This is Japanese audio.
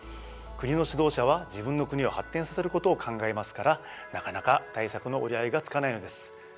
国の指導者は自分の国を発展させることを考えますからなかなか対策の折り合いがつかないのです。